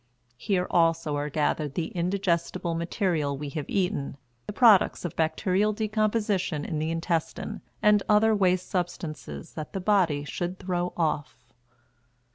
Here also are gathered the indigestible material we have eaten, the products of bacterial decomposition in the intestine, and other waste substances that the body should throw off.